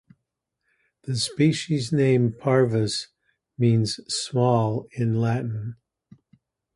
The species name "parvus" means "small" in Latin.